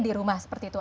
di rumah seperti itu